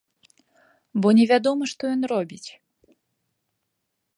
Бо невядома, што ён робіць.